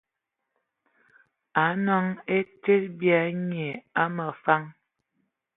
Anɔn ai tsid bya nyiŋ a məfan.